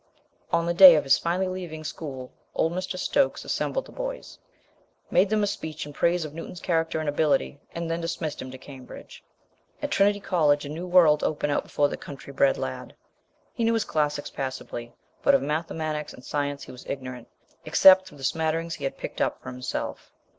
On the day of his finally leaving school old Mr. Stokes assembled the boys, made them a speech in praise of Newton's character and ability, and then dismissed him to Cambridge. At Trinity College a new world opened out before the country bred lad. He knew his classics passably, but of mathematics and science he was ignorant, except through the smatterings he had picked up for himself.